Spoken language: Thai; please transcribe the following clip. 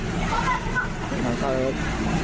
ขึ้นมาครับ